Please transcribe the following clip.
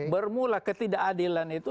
bermula ketidakadilan itu